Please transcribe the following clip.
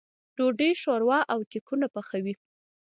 ډوډۍ، ښوروا او کيکونه پخوي.